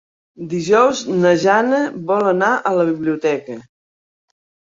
Dijous na Jana vol anar a la biblioteca.